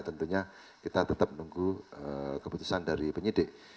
tentunya kita tetap menunggu keputusan dari penyidik